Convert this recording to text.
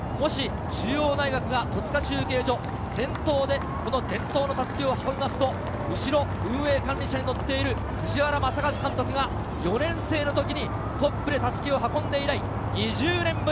もし中央大学が戸塚中継所、先頭で伝統の襷を運ぶと運営管理車に乗っている藤原正和監督が４年生の時にトップで襷を運んで以来、２０年ぶり。